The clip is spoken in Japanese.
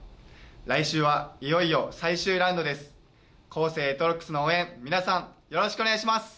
来週はいよいよ最終ラウンドです。